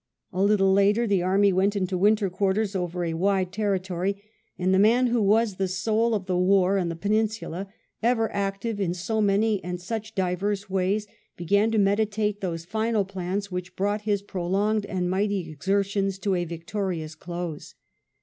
A little later the army went into winter quarters over a wide territory, and the man who was the soul of the war in the Peninsula, ever active in so many and such divers ways, began to meditate those final plans which brought his prolonged and mighty exertions to a victorious close.